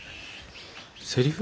セリフ？